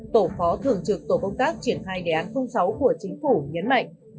tổ phó thường trực tổ công tác triển khai đề án sáu của chính phủ nhấn mạnh